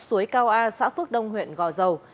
với cao a xã phước đông huyện gò dầu